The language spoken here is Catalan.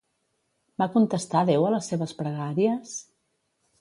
Va contestar Déu a les seves pregàries?